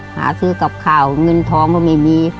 หาซื้อกับข้าวเงินทองก็ไม่มี